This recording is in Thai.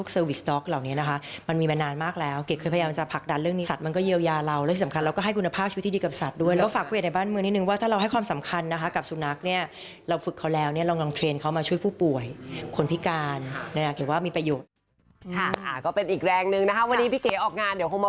ช่วยผู้ป่วยคนพิการนะครับเขียวว่ามีประโยชน์